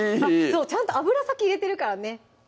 ちゃんと油先入れてるからね